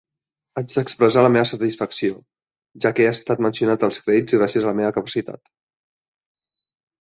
Haig d'expressar la meva satisfacció, ja que he estat mencionat als crèdits gràcies a la meva capacitat.